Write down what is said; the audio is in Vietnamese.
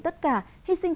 chúng tôi xin thề